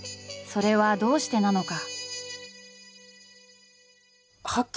それはどうしてなのか？